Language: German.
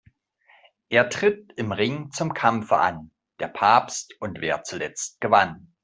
Es tritt im Ring zum Kampfe an: Der Papst und wer zuletzt gewann.